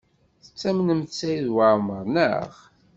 Tettamnemt Saɛid Waɛmaṛ, naɣ?